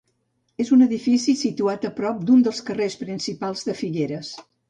És un edifici situat a prop d'un dels carrers principals de Figueres.